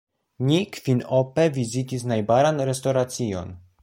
Ni kvinope vizitis najbaran restoracion.